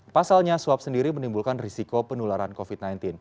pasalnya swab sendiri menimbulkan risiko penularan covid sembilan belas